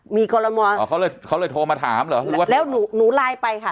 มีกรมนเขาเลยเขาเลยโทรมาถามเหรอแล้วหนูหนูไลน์ไปค่ะ